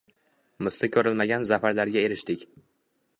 misli ko’rilmagan zafarlarga erishdik.